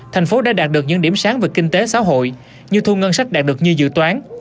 thành phố đã đạt được những điểm sáng về kinh tế xã hội như thu ngân sách đạt được như dự toán